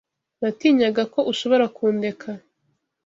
Natinyaga ko ushobora kundeka.